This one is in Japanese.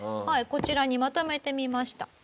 はいこちらにまとめてみました。